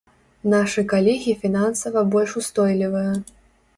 Нашы калегі фінансава больш устойлівыя.